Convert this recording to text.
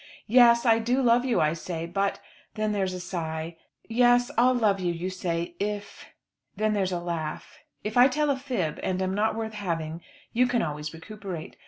"Yes; I do love you," I say, "but " Then there's a sigh. "Yes; I'll love you," you say "if " Then there's a laugh. If I tell a fib, and am not worth having, you can always recuperate.